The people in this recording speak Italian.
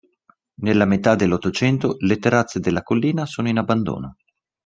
Nella metà dell'Ottocento le terrazze della collina sono in abbandono.